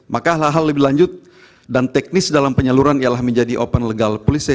maka hal hal lebih lanjut dan teknis dalam penyaluran ialah menjadi open legal policy